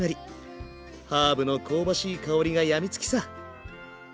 ハーブの香ばしい香りが病みつきさ